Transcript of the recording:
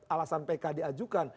alasan pk diajukan